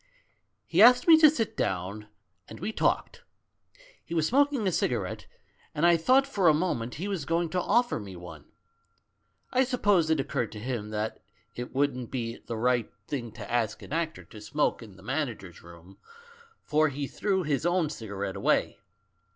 "He asked me to sit down, and we talked. He was smoking a cigarette, and I thought for a moment he was going to offer me one. I suppose it occurred to him that it wouldn't be the right 20 THE MAN WHO UNDERSTOOD WOMEN thing to ask an actor to smoke in the manager's room, for he threw his own cigarette away.